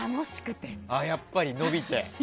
やっぱり延びて？